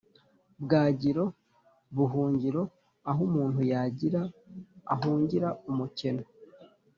bwagiro: buhungiro (aho umuntu yagira, ahungira umukeno)